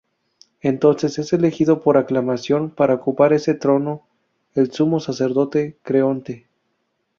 Entonces, es elegido por aclamación para ocupar ese trono el sumo sacerdote Creonte.